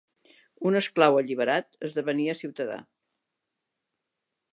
Un esclau alliberat esdevenia ciutadà.